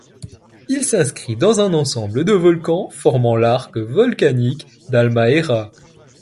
Il s'inscrit dans un ensemble de volcans formant l'arc volcanique d'Halmahera.